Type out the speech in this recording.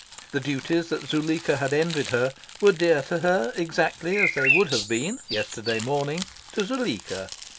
The duties that Zuleika had envied her were dear to her exactly as they would have been, yesterday morning, to Zuleika.